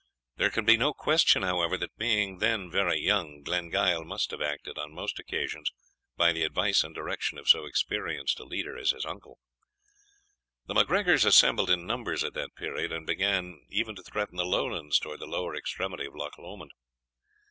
There can be no question, however, that being then very young, Glengyle must have acted on most occasions by the advice and direction of so experienced a leader as his uncle. The MacGregors assembled in numbers at that period, and began even to threaten the Lowlands towards the lower extremity of Loch Lomond.